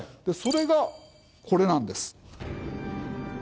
それがこれなんです。